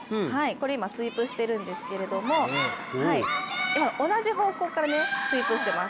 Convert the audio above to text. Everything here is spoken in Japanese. スイープしているんですけど、今、同じ方向からスイープしています。